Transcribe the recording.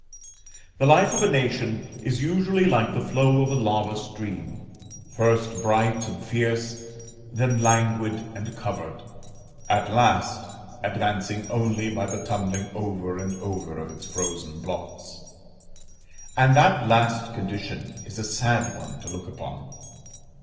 The life of a nation is usually, like the flow of a lava stream, first bright and fierce, then languid and covered, at last advancing only by the tumbling over and over of its frozen blocks. And that last condition is a sad one to look upon.